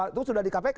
itu sudah di kpk